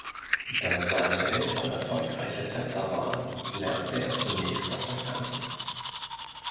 Da seine Eltern erfolgreiche Tänzer waren, lernte er zunächst auch das Tanzen.